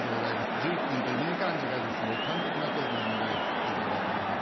１１分という短い時間ですので、端的な答弁をお願いできればと思います。